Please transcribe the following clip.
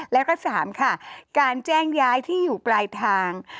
แล้วก็๓ค่ะการแจ้งย้ายที่อยู่ปลายทาง